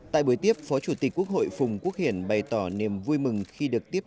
tại buổi tiếp phó chủ tịch quốc hội phùng quốc hiển bày tỏ niềm vui mừng khi được tiếp